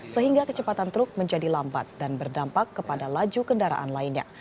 sehingga kecepatan truk menjadi lambat dan berdampak kepada laju kendaraan lainnya